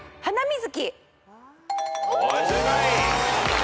はい正解。